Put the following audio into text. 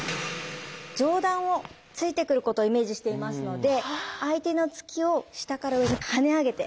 上段を突いてくることをイメージしていますので相手の突きを下から上にはね上げて。